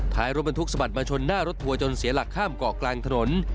ท้ายรถบรรทุกสะบัดมาชนหน้ารถทัวร์จนเสียหลักข้ามเกาะกลางถนน